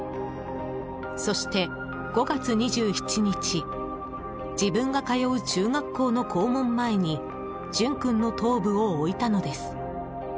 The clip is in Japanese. そして、５月２７日自分が通う中学校の校門前に淳君の頭部を置いたのです。